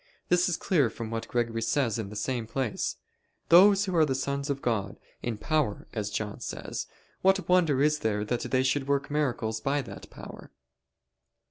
This is clear from what Gregory says in the same place: "Those who are sons of God, in power, as John says what wonder is there that they should work miracles by that power?"